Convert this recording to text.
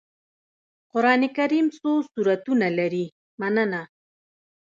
قرآن کريم څو سورتونه لري مننه